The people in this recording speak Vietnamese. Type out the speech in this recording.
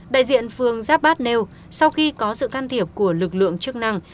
đại diện phường giáp bát nêu sau khi có sự can thiệp của lực lượng chức năng